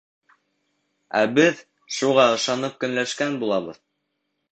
Ә беҙ шуға ышанып көнләшкән булабыҙ.